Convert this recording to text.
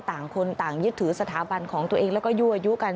ต่างคนต่างยึดถือสถาบันของตัวเองแล้วก็ยั่วอายุกัน